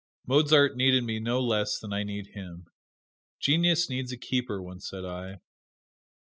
Mozart needed me no less than I need him. "Genius needs a keeper," once said I.